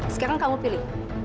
sekarang kamu pilih